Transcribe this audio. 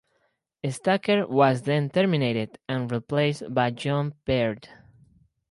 Stacker was then terminated and replaced by John Peard.